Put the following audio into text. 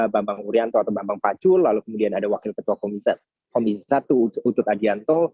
bambang urianto atau bambang pacul lalu kemudian ada wakil ketua komisi satu utut adianto